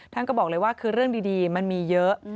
ท่านก็บอกเลยว่าคือเรื่องดีมันมีเยอะ